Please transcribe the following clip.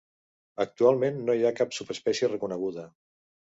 Actualment no hi ha cap subespècie reconeguda.